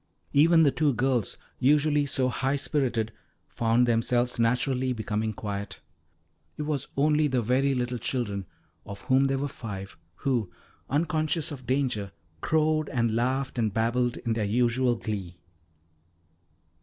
Even the two girls, usually so high spirited, found themselves naturally becoming quiet. It was only the very little children, of whom there were five, who, unconscious of danger, crowed and laughed and babbled in their usual glee.